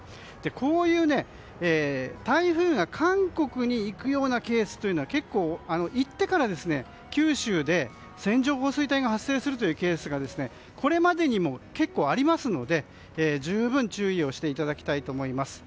こういう台風が韓国に行くようなケースというのは結構行ってから九州で線状降水帯が発生するというケースがこれまでにも結構ありますので十分注意していただきたいと思います。